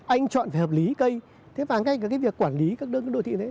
anh chọn phải hợp lý cây và ngay cả việc quản lý các đơn cái đô thị đấy